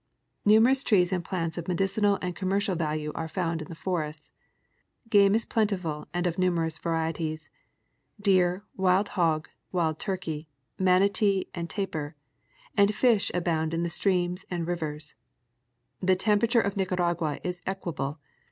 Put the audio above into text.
Numerous trees and plants of medicinal and commercial value are found in the forests. Game is plentiful and of numerous, varieties ; deer, wild hog, wild turkey, manatee and tapir ; and fish abound in the streams and rivers. The temperature of Nicaragua is equable.